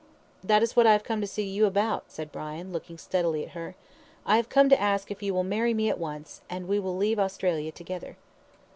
"That is what I have come to see you about," said Brian, looking steadily at her. "I have come to ask you if you will marry me at once, and we will leave Australia together."